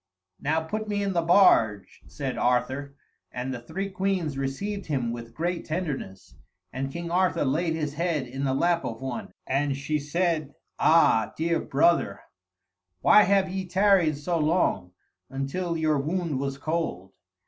"Now put me in the barge," said Arthur, and the three queens received him with great tenderness, and King Arthur laid his head in the lap of one, and she said, "Ah, dear brother, why have ye tarried so long, until your wound was cold?"